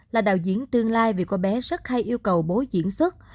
là đạo diễn tương lai vì cô bé rất hay yêu cầu bố diễn xuất